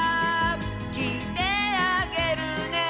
「きいてあげるね」